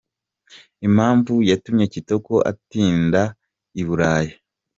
Impamvu yatumye Kitoko atinda i Burayi